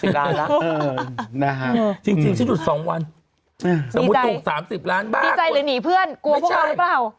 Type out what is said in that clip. จริงฉันหยุด๒วันสมมุติถูก๓๐ล้านบาทดีใจหรือหนีเพื่อนกลัวพวกเราหรือเปล่า